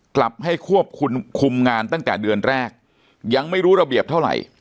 กลับให้ควบคุมคุมงานตั้งแต่เดือนแรกยังไม่รู้ระเบียบเท่าไหร่